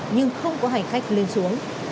nhưng không có hành khách lên xuống